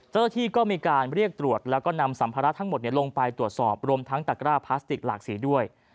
เจ้าหน้าที่ก็มีการเรียกตรวจแล้วก็นำสัมภาระทั้งหมดลงไปตรวจสอบรวมทั้งตะกร้าพลาสติกหลากสีด้วย